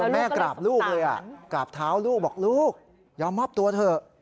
แม่กราบลูกเลยกราบเท้าลูกบอกลูกยอมมอบตัวเถอะ